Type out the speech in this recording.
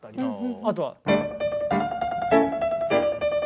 あとは。